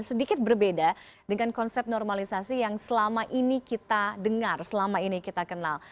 sedikit berbeda dengan konsep normalisasi yang selama ini kita dengar selama ini kita kenal